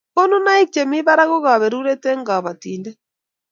koninaik chemi barak ko kabaruret eng' kabatindet